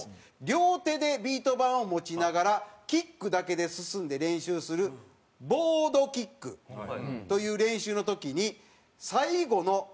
「両手でビート板を持ちながらキックだけで進んで練習するボードキックという練習の時に」。